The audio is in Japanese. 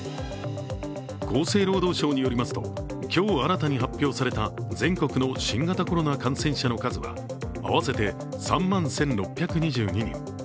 厚生労働省によりますと、今日新たに発表された全国の新型コロナ感染者の数は、合わせて３万１６２２人。